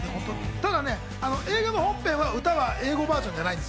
ただ、英語の本編は英語バージョンじゃないんです。